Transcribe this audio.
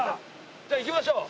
じゃあ行きましょう！